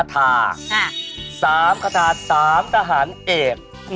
ได้๓คาถา๓คาถา๓ทหารเอก